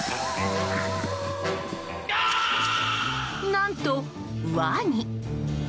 何と、ワニ。